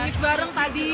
nongis bareng tadi